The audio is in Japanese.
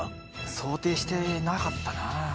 想定してなかったな。